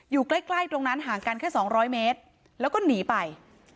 อยู่ใกล้ตรงนั้นห่างกันแค่๒๐๐เมตรแล้วก็หนีไป